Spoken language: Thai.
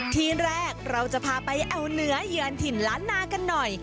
ที่แรกเราจะพาไปแอวเหนือเยือนถิ่นล้านนากันหน่อย